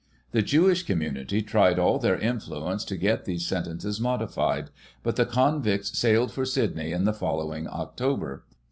The Jewish community tried all their influence to get these sentences modified, but the convicts sailed for Sydney in the following October.